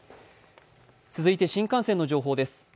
続いて新幹線の情報です。